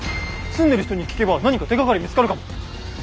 住んでる人に聞けば何か手がかり見つかるかも。